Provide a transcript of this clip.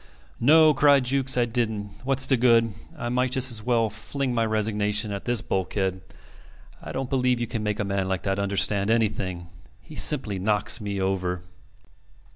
"No," cried Jukes, "I didn't. What's the good? I might just as well fling my resignation at this bulkhead. I don't believe you can make a man like that understand anything. He simply knocks me over."